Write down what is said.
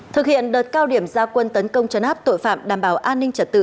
thực hiện đợt cao điểm gia quân tấn công chấn áp tội phạm đảm bảo an ninh trật tự